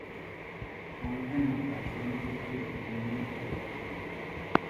Canta en la canción "Keys to the Kingdom" y "Broken".